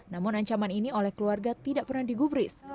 namun ancaman ini oleh keluarga tidak pernah digubris